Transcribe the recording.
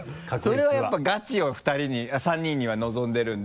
それはやっぱガチを３人には望んでるので。